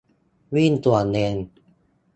- วิ่งสวนเลน